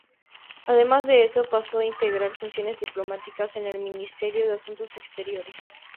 Además de eso, pasó integrar funciones diplomáticas en el Ministerio de Asuntos Exteriores.